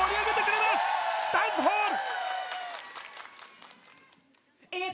「ダンスホール」！